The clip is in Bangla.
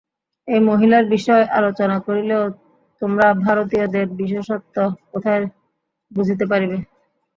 এই মহিলার বিষয় আলোচনা করিলেও তোমরা ভারতীয়দের বিশেষত্ব কোথায় বুঝিতে পারিবে।